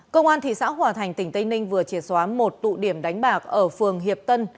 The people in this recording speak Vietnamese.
công an thị xã hòa thành tỉnh tây ninh vừa triệt xóa một tụ điểm đánh bạc ở phường hiệp tân